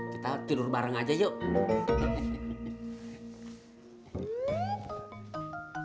kita tidur bareng aja yuk